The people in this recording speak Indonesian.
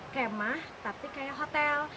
kemah tapi kayak hotel